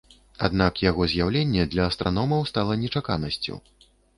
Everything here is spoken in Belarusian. Аднак яго з'яўленне для астраномаў стала нечаканасцю.